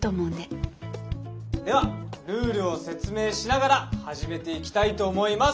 ではルールを説明しながら始めていきたいと思います。